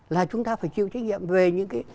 là chúng ta phải chịu trách nhiệm về những cái